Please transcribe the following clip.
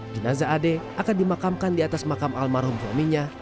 jenazah ade akan dimakamkan di atas makam almarhum suaminya